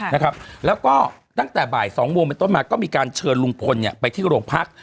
นะครับแล้วก็ตั้งแต่บ่ายสองโมงเป็นต้นมาก็มีการเชิญลุงพลเนี่ยไปที่โรงพัก